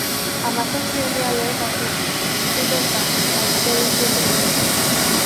Hamazortzi herrialdek hartu zuten parte, aurreko edizioko berdinak.